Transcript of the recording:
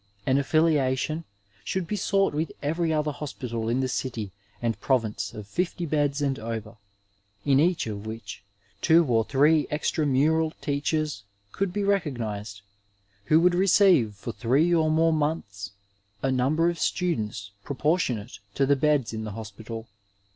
An affilia tion should be sought with every other hospital in the city and province of fifty beds and over, in each of which two or three extra mural teachers could be recognized, who would receive for three or more months a number of stu dents proportionate to the beds in the hospital.